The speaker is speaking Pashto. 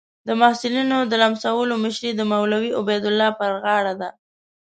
د محصلینو د لمسولو مشري د مولوي عبیدالله پر غاړه ده.